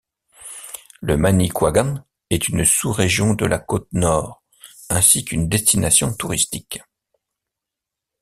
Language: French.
Le Manicouagan est une sous-région de la Côte-Nord ainsi qu’une destination touristique.